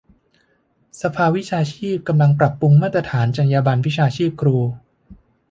สภาวิชาชีพกำลังปรับปรุงมาตรฐานจรรยาบรรณวิชาชีพครู